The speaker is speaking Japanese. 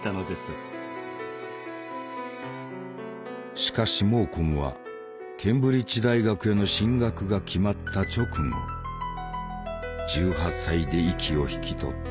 しかしモーコムはケンブリッジ大学への進学が決まった直後１８歳で息を引き取った。